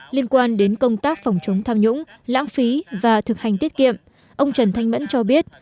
liên quan đến công tác phòng chống tham nhũng lãng phí và thực hành tiết kiệm ông trần thanh mẫn cho biết